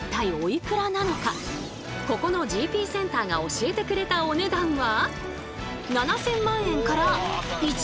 ここのＧＰセンターが教えてくれたお値段は。